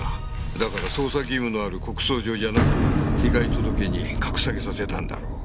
だから捜査義務のある告訴状じゃなく被害届に格下げさせたんだろう。